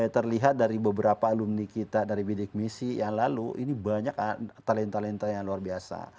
terlihat dari beberapa alumni kita dari bidik misi yang lalu ini banyak talenta talenta yang luar biasa